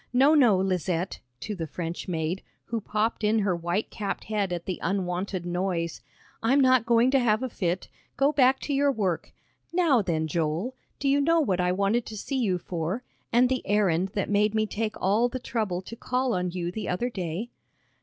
No, no, Lizette," to the French maid, who popped in her white capped head at the unwonted noise, "I'm not going to have a fit. Go back to your work. Now then, Joel, do you know what I wanted to see you for, and the errand that made me take all the trouble to call on you the other day?"